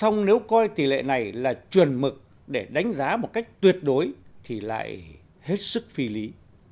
nếu tỷ lệ này là truyền mực để đánh giá một cách tuyệt đối thì lại hết sức phi lý